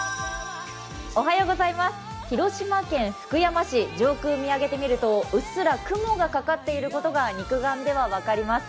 広島県福山市上空を見上げてみるとうっすら雲がかかっていることが肉眼では分かります。